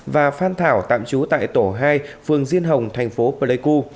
và phan thảo tạm trú tại tổ hai phường diên hồng thành phố pleiku